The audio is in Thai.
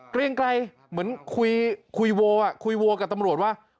เกรงไกลเหมือนคุยโวคุยโวกับตำรวจว่า